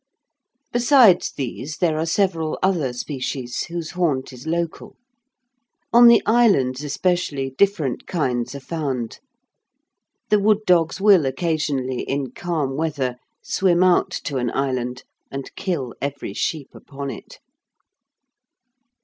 Besides these, there are several other species whose haunt is local. On the islands, especially, different kinds are found. The wood dogs will occasionally, in calm weather, swim out to an island and kill every sheep upon it.